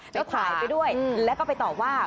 ไปข่ายไปด้วยแล้วก็ไปต่อวาบ